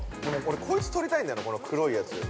こいつとりたいんだよ、黒いやつ。